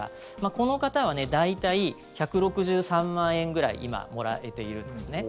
この方は大体１６３万円くらい今もらえているんですね。